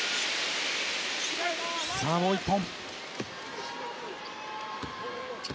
さあ、もう１本。